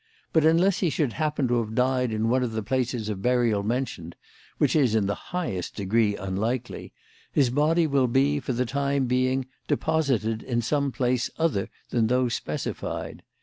But unless he should happen to have died in one of the places of burial mentioned which is in the highest degree unlikely his body will be, for the time being, 'deposited' in some place other than those specified.